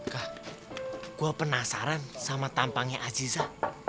kah gue penasaran sama tampangnya aziza